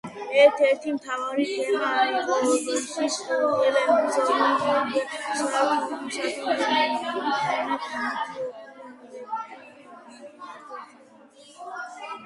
სტატია ერთ-ერთი მთავარი თემა იყო იორკშირის ტელევიზიის იგივე სათაურის მქონე დოკუმენტურ გადაცემაში.